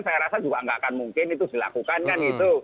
saya rasa juga nggak akan mungkin itu dilakukan kan gitu